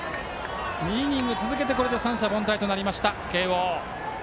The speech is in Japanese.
２イニング続けてこれで三者凡退となりました慶応。